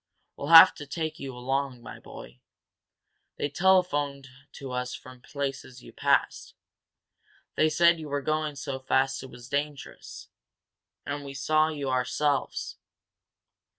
We'll have to take you along, my boy. They telephoned to us from places you passed they said you were going so fast it was dangerous. And we saw you ourselves."